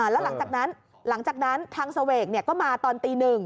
แล้วหลังจากนั้นทางเสาเอกก็มาตอนตีหนึ่ง